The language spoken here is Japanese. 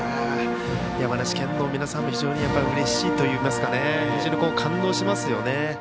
山梨県の皆さんも非常にうれしいといいますか非常に感動しますよね。